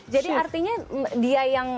jadi artinya dia yang